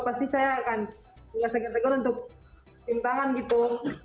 pasti saya akan berasa gersego untuk cium tangan gitu